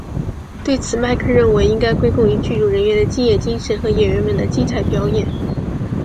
对此麦克认为应该归功于剧组人员的敬业精神和演员们的精彩表演。